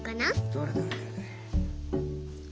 どれどれどれどれ。